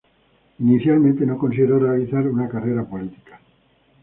Inicialmente, no consideró realizar una carrera política.